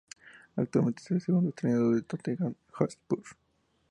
Actualmente es el segundo entrenador del Tottenham Hotspur.